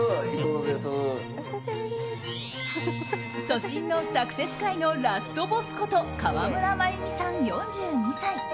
都心のサクセス界のラストボスこと河村真弓さん、４２歳。